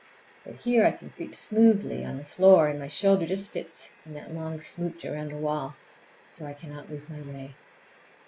But here I can creep smoothly on the floor, and my shoulder just fits in that long smooch around the wall, so I cannot lose my way.